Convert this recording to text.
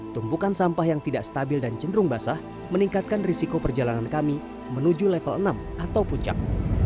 tumpukan sampah yang tidak stabil dan cenderung basah meningkatkan risiko perjalanan kami menuju level enam atau puncak